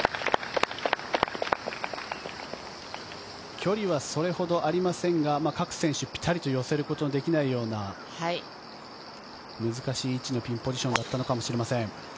距離はそれほどありませんが各選手、ピタリと寄せることのできないような難しい位置のピンポジションだったのかもしれません。